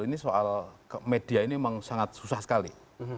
ini soal media ini memang sangat susah sekali